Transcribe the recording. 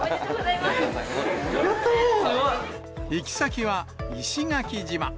行き先は石垣島。